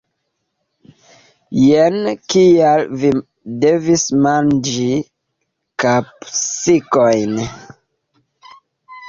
Jen kial mi devis manĝi kapsikojn.